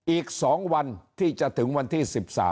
อีก๒วันที่จะถึงวันที่๑๓